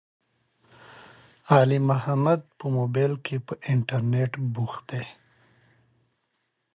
علي محمد په مبائل کې، په انترنيت بوخت دی.